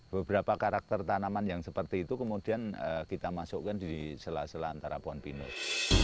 beberapa karakter tanaman yang seperti itu kemudian kita masukkan di sela sela antara pohon pinus